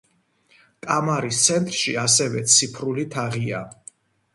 კამარის ცენტრში ასევე ფიცრული თაღია.